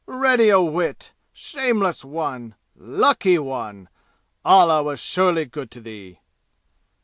Ready o' wit! Shameless one! Lucky one! Allah was surely good to thee!"